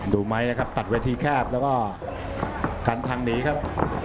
ดูไหมนะครับตัดเวทีแคบแล้วก็กันทางหนีครับ